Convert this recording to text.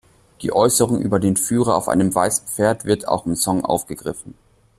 Die Äußerung über den Führer auf einem weißen Pferd wird auch im Song aufgegriffen.